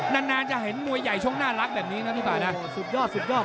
นานจะเห็นมวยใหญ่ชงน่ารักแบบนี้นะพี่ปากนะ